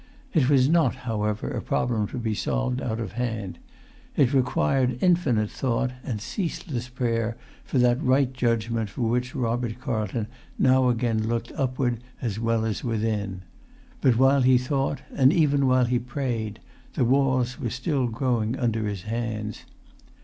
It was not, however, a problem to be solved out of hand. It required infinite thought, and ceaseless prayer for that right judgment for which Robert Carlton now again looked upward as well as within. But while he thought, and even while he prayed, the walls were still growing under his hands.